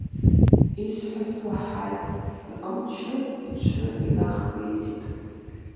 Исҳәаз уаҳаит, иҟамчы иҽы инахиҟьеит.